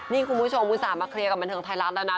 นี่คุณผู้ชมคุณสามารถเคลียร์กับบรรทังไทยร้อนแล้วนะ